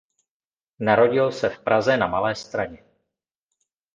Narodil se v Praze na Malé Straně.